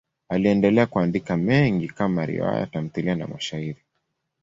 Aliendelea kuandika mengi kama riwaya, tamthiliya na mashairi.